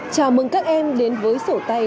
chào mừng các em đến với sổ tay